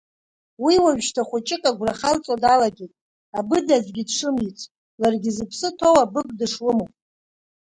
Уи уажәшьҭа хәыҷык агәра халҵо далагеит, абыда аӡәгьы дшымиц, ларгьы зыԥсы ҭоу абык дышлымоу.